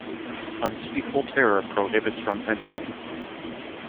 Unspeakable terror prohibits from entering.